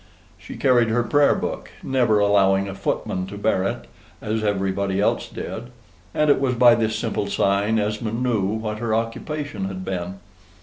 She carried her prayer book, never allowing a footman to bear it, as everybody else did: and it was by this simple sign Esmond knew what her occupation had been.